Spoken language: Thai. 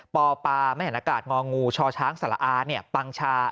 ปปมงชชสอปังชา